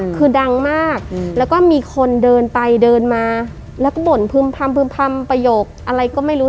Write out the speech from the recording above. คือดังมากแล้วก็มีคนเดินไปเดินมาแล้วก็บ่นพึ่มพำพึ่มพำประโยคอะไรก็ไม่รู้